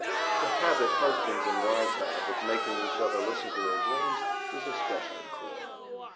The habit husbands and wives have of making each other listen to their dreams is especially cruel.